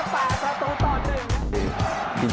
ปล่ายประตูต่อ๑